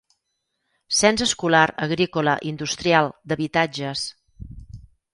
Cens escolar, agrícola, industrial, d'habitatges.